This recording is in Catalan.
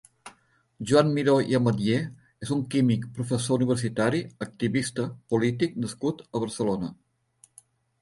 Joan Miró i Ametller és un químic, professor universitari, activista, polític nascut a Barcelona.